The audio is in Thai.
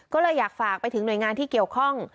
ก็เลยอยากฝากไปถึงหน่วยงานที่เกี่ยวข้อง